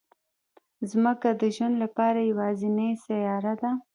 ځمکه د ژوند لپاره یوازینی سیاره ده